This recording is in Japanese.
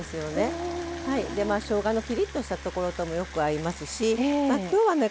しょうがのピリッとしたところともよく合いますし今日はね